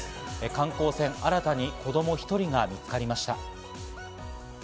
観光船、新たに子供１人が見つかりました。